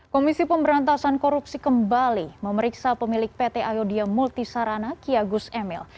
komisi pemberantasan korupsi kembali memeriksa pemilik pt ayodhya multisarana kyagus emil